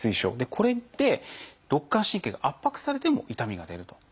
これで肋間神経が圧迫されても痛みが出るということです。